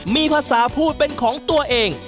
มีภาษาพูดเป็นของตัวเอง